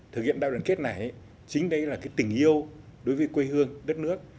thực hiện đại đoàn kết này chính đấy là tình yêu đối với quê hương đất nước